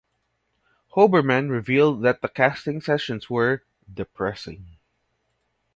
Hoberman revealed that the casting sessions were "depressing".